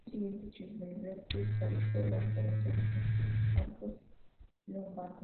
Al año siguiente Childeberto estabilizó las relaciones entre francos y lombardos.